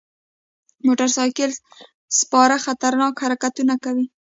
موټر سایکل سپاره خطرناک حرکتونه کوي.